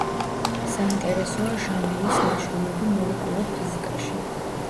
საინტერესოა ჟამენის ნაშრომები მოლეკულურ ფიზიკაში.